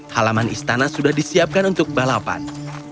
halaman istana sudah disiapkan untuk balapan